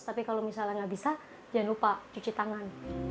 tapi kalau misalnya nggak bisa jangan lupa cuci tangan